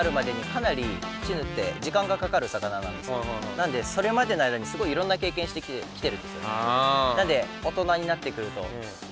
なんでそれまでの間にすごいいろんな経験してきてるんですよ。